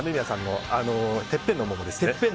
てっぺんの桃ですね。